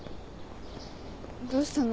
どうしたの？